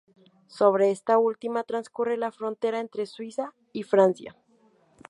Sobre esta última transcurre la frontera entre Suiza y Francia.